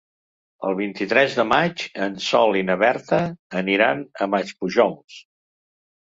El vint-i-tres de maig en Sol i na Berta aniran a Maspujols.